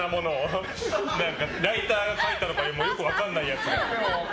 ライターが書いたのかも分からないやつを。